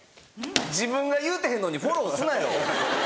自分が言うてへんのにフォローすなよ。